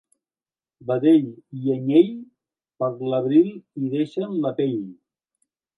Vedell i anyell per l'abril hi deixen la pell.